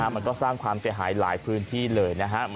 มันก็สร้างความเสียหายหลายพื้นที่เลยนะครับ